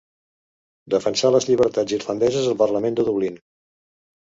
Defensà les llibertats irlandeses al parlament de Dublín.